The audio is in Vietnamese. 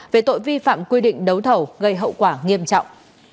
về tội vi phạm quy định đấu thầu gây hậu quả nghiêm trọng